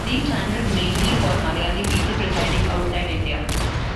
These channels mainly for malayali people residing outside India.